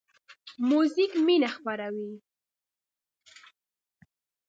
موزیک مینه خپروي.